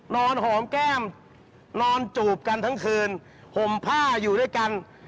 หอมแก้มนอนจูบกันทั้งคืนห่มผ้าอยู่ด้วยกัน